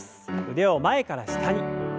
腕を前から下に。